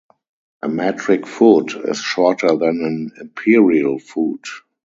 A metric foot is shorter than an imperial foot.